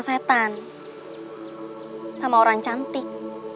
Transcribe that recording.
setan sama orang cantik